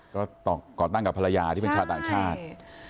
ก็ก่อตั้งกับภรรยาที่เป็นชาวต่างชาติ